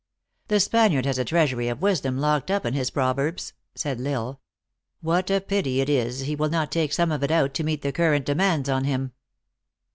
"The Spaniard has a treasury of wisdom locked up in his proverbs," said L Isle. What a pity it is he will not take some of it out to meet the current demands on him."